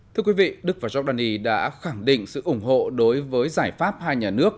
thưa quý vị đức và giọc đan nhi đã khẳng định sự ủng hộ đối với giải pháp hai nhà nước